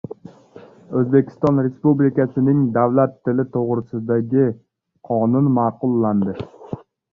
“O‘zbekiston Respublikasining Davlat tili to‘g‘risida”gi qonun ma’qullandi